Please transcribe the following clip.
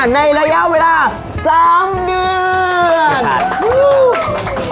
ในระยะเวลา๓เดือน